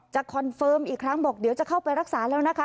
คอนเฟิร์มอีกครั้งบอกเดี๋ยวจะเข้าไปรักษาแล้วนะคะ